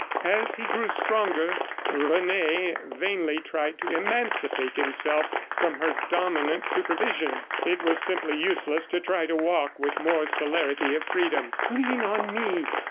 As he grew stronger, Rene vainly tried to emancipate himself from her dominant supervision. It was simply useless to try to walk with more celerity or freedom. "Lean on me!"